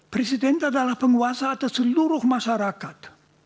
presiden adalah penguasa atau seluruh masyarakat